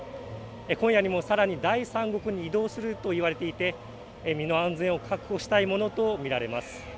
今夜にも、さらに第三国に移動するといわれていて身の安全を確保したいものと見られます。